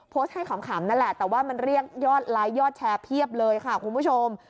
โพสต์ให้ขำนั่นแหละแต่ว่ามันเรียกยอดไลค์ยอดแชร์เพียบเลยค่ะคุณผู้ชม